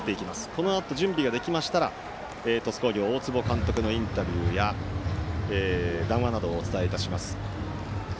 このあと準備ができましたら鳥栖工業の大坪監督のインタビューや談話などをお伝えします。